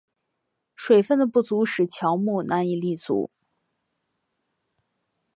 水分的不足使乔木难以立足。